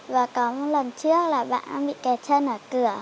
và có một lần trước là bạn bị kẹt chân ở cửa